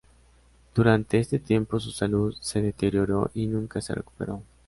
Durante este tiempo, su salud se deterioró, y nunca se recuperó.